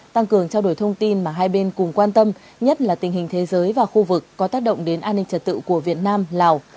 tăng cường trao đổi thông tin mà hai bên cùng quan tâm nhất là tình hình thế giới và khu vực có tác động đến an ninh trật tự của việt nam lào